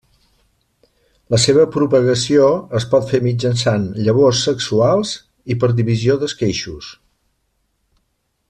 La seva propagació es pot fer mitjançant llavors sexuals i per divisió d'esqueixos.